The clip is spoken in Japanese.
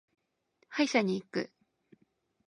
歯医者に行く。